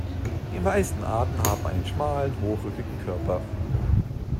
Die meisten Arten haben einen schmalen, hochrückigen Körper.